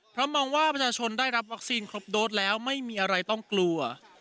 เพราะมองว่าประชาชนได้รับวัคซีนครบโดสแล้วไม่มีอะไรต้องกลัว